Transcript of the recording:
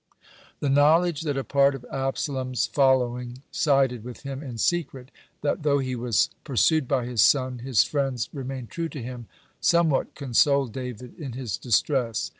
(99) The knowledge that a part of Absalom's following sided with him in secret,—that, though he was pursued by his son, his friends remained true to him,—somewhat consoled David in his distress.